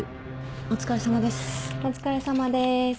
お疲れさまでーす。